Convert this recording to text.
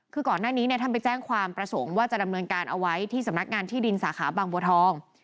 คือก่อนหน้านี้ท่านไปแจ้งความประสงค์ว่าจะดำเนินการเอาไว้ที่สำนักงานที่ดินสาขาบางบัวทอง